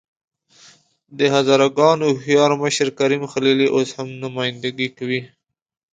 د هزاره ګانو هوښیار مشر کریم خلیلي اوس هم نمايندګي کوي.